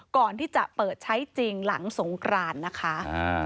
ก่อนที่จะเปิดใช้จริงหลังสงกรานนะคะ